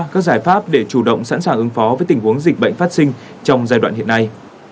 các giải pháp để chủ động sẵn sàng ứng phó với tình huống dịch bệnh phát sinh trong giai đoạn hiện nay